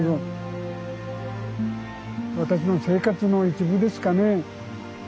私の生活の一部ですかね。